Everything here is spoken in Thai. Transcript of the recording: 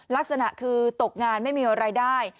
ลักษณะคือตกงานไม่มีอะไรได้